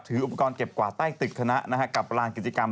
ถืออุปกรณ์เก็บกว่าใต้ตึกคณะและกลับล่างกิจกรรม